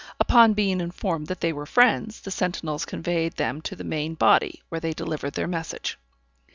Upon being informed that they were friends, the sentinels conveyed them to the main body, where they delivered their message.